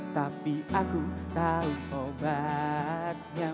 tapi aku tahu obatnya